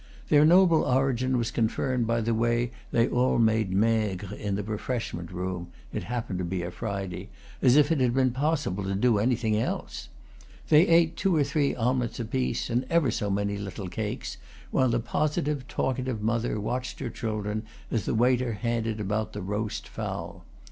Their noble origin was confirmed by the way they all made maigre in the refreshment oom (it happened to be a Friday), as if it had been possible to do anything else. They ate two or three omelets apiece, and ever so many little cakes, while the positive, talkative mother watched her children as the waiter handed about the roast fowl.